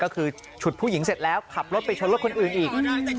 ก็คือฉุดผู้หญิงเสร็จแล้วขับรถไปชนรถคนอื่นอีก